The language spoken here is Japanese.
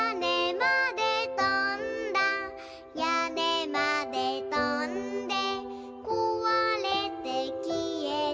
「やねまでとんでこわれてきえた」